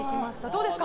どうですか？